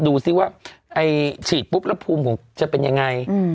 ดูสิว่าฉีดปุ๊บแล้วภูมิผมจะเป็นยังไง